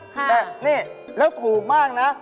แต่นี่แล้วถูกมากนะ